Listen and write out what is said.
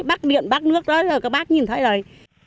bắc miệng bắc nước đấy các bác nhìn thấy đấy